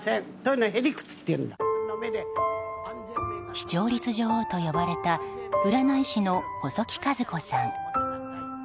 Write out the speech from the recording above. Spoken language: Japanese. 視聴率女王と呼ばれた占い師の細木数子さん。